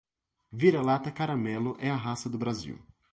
Vira-lata caramelo é a raça do Brasil